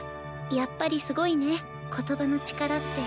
やっぱりすごいね言葉の力って。